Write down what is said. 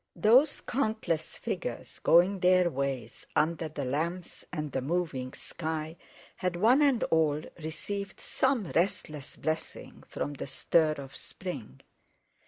Those countless figures, going their ways under the lamps and the moving sky, had one and all received some restless blessing from the stir of spring.